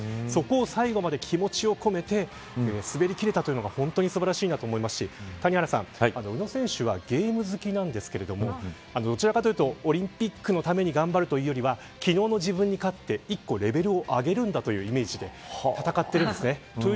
そこは、最後まで気持ちを込めて滑り切れたというのが本当に素晴らしいと思いますし谷原さん、宇野選手はゲーム好きなんですがどちらかというとオリンピックのために頑張るというよりは昨日の自分に勝って１個レベルを上げるんだというイメージで戦っているんです。